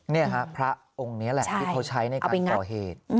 นี่ฮะพระองค์นี้แหละที่เขาใช้ในการก่อเหตุ